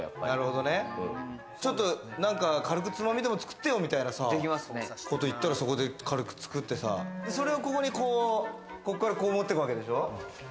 何か軽くつまみでも作ってよみたいなこと言ったら、そこで軽く作ってさ、それをこっからここに持ってくるわけでしょ。